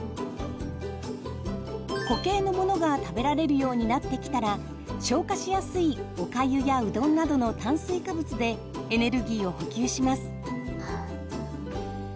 固形のものが食べられるようになってきたら消化しやすいおかゆやうどんなどの炭水化物でエネルギーを補給します。